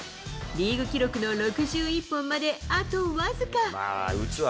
リーグ記録の６１本まであと僅か。